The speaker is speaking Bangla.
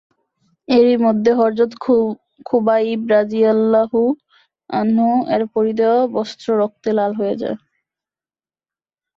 এরই মধ্যে হযরত খুবাইব রাযিয়াল্লাহু আনহু-এর পরিধেয় বস্ত্র রক্তে লাল হয়ে যায়।